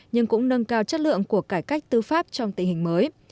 nhưng cũng nâng cao chất lượng của cải cách tư pháp trong tình hình mới